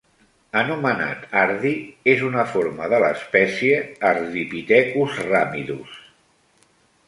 Anomenat Ardi, és una forma de l'espècie "Ardipithecus ramidus".